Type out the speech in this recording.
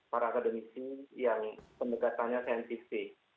para akademisi yang pendekatannya saintifik